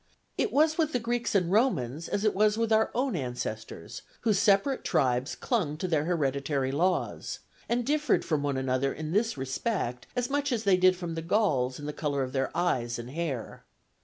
It was with the Greeks and Romans as it was with our own ancestors, whose separate tribes clung to their hereditary laws, and differed from one another in this respect as much as they did from the Gauls in the color of their eyes and hair.